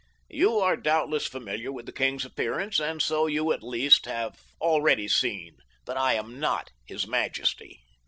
You are doubtless familiar with the king's appearance and so you at least have already seen that I am not his majesty.